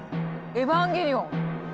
「エヴァンゲリオン」！